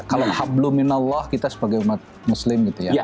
kalau hablum minallah kita sebagai umat muslim gitu ya